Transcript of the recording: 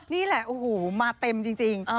นี่แหละมาเต็มจริง